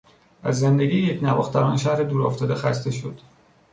از زندگی یکنواخت در آن شهر دورافتاده خسته شد.